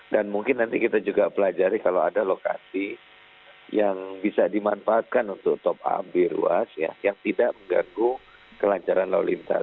dan mungkin nanti kita juga pelajari kalau ada lokasi yang bisa dimanfaatkan untuk top up di ruas yang tidak mengganggu kelancaran lalu lintas